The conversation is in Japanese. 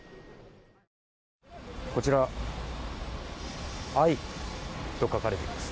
こちら愛と書かれています。